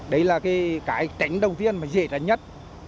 đấy là cái tránh đầu tiên mà dễ đánh nhất